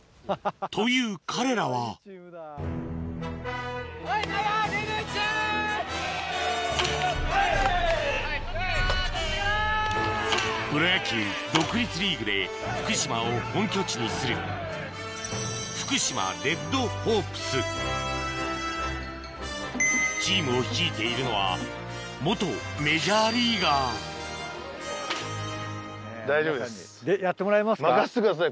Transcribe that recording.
という彼らはプロ野球独立リーグで福島を本拠地にするチームを率いているのは元メジャーリーガー大丈夫です任せてください